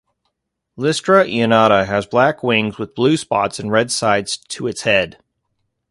Lystra lanata has black wings with blue spots and red sides to its head.